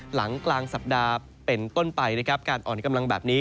หลังกลางสัปดาห์เป็นต้นไปนะครับการอ่อนกำลังแบบนี้